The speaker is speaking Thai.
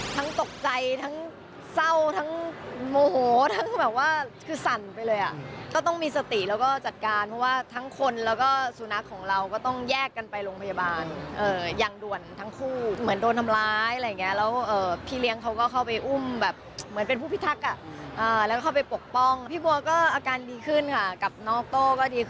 ทั้งตกใจทั้งเศร้าทั้งโมโหทั้งแบบว่าคือสั่นไปเลยอ่ะก็ต้องมีสติแล้วก็จัดการเพราะว่าทั้งคนแล้วก็สุนัขของเราก็ต้องแยกกันไปโรงพยาบาลอย่างด่วนทั้งคู่เหมือนโดนทำร้ายอะไรอย่างเงี้ยแล้วพี่เลี้ยงเขาก็เข้าไปอุ้มแบบเหมือนเป็นผู้พิทักษะแล้วก็เข้าไปปกป้องพี่บัวก็อาการดีขึ้นค่ะกับน้องโต้ก็ดีขึ้น